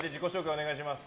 お願いします。